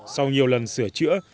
sau nhiều lần sửa chữa